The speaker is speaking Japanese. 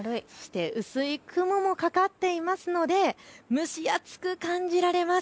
薄い雲もかかっていますので蒸し暑く感じられます。